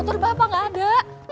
motor bapak gak ada